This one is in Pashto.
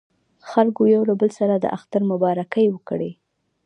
خلکو یو له بل سره د اختر مبارکۍ وکړې.